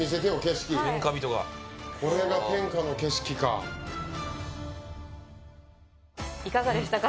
天下人がこれが天下の景色かいかがでしたか？